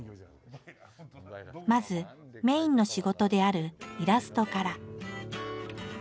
まずメインの仕事であるイラストから。